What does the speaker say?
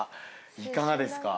いかがですか？